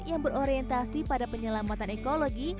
yang berorientasi pada penyelamatan ekologi